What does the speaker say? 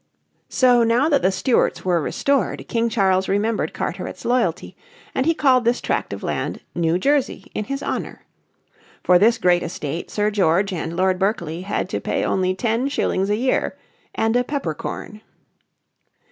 So now that the Stuarts were restored King Charles remembered Carteret's loyalty, and he called this tract of land New Jersey in his honour. For this great estate Sir George and Lord Berkeley had to pay only ten shillings a year and a peppercorn.